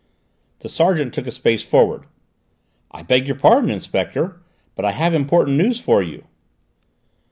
The sergeant took a pace forward. "I beg your pardon, Inspector, but I have important news for you."